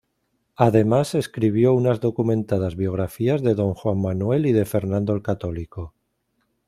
Además escribió unas documentadas biografías de don Juan Manuel y de Fernando el Católico.